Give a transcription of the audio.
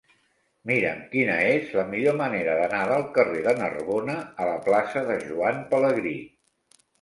Mira'm quina és la millor manera d'anar del carrer de Narbona a la plaça de Joan Pelegrí.